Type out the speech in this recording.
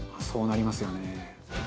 「そうなりますよね」